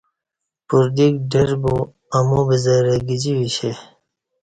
پردیک ڈربو امو بزرہ گجی ویشے